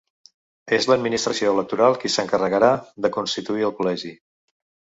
És l’administració electoral qui s’encarregarà de constituir el col·legi.